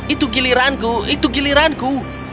itu giliranku itu giliranku